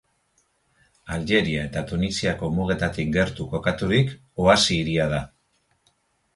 Aljeria eta Tunisiako mugetatik gertu kokaturik, oasi-hiria da.